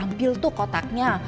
ambil tuh kotaknya